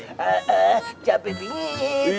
eh eh capek dingin